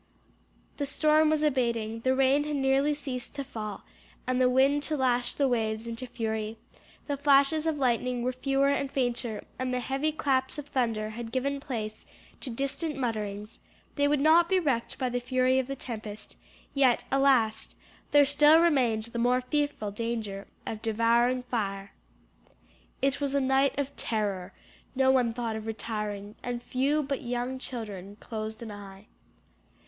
The storm was abating, the rain had nearly ceased to fall, and the wind to lash the waves into fury; the flashes of lightning were fewer and fainter and the heavy claps of thunder had given place to distant mutterings; they would not be wrecked by the fury of the tempest, yet alas, there still remained the more fearful danger of devouring fire. It was a night of terror; no one thought of retiring, and few but young children closed an eye.